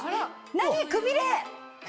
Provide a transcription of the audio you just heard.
何くびれ！